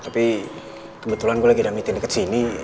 tapi kebetulan gue lagi ada meeting dekat sini